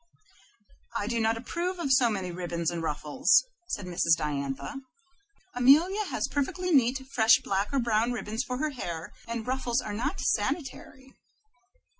"I do not approve of so many ribbons and ruffles," said Mrs. Diantha. "Amelia has perfectly neat, fresh black or brown ribbons for her hair, and ruffles are not sanitary."